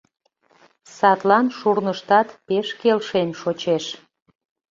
Садлан шурныштат пеш келшен шочеш.